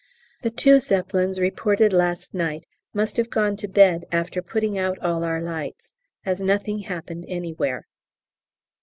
The two Zeppelins reported last night must have gone to bed after putting out all our lights, as nothing happened anywhere.